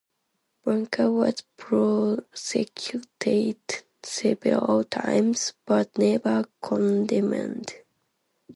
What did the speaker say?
Bunker was prosecuted several times, but never condemned.